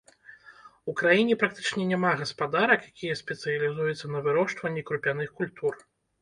У краіне практычна няма гаспадарак, якія спецыялізуюцца на вырошчванні крупяных культур.